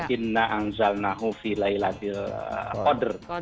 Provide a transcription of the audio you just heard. inna anzalna hufi laylatul qadar